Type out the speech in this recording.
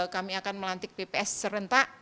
kami akan melantik pps serentak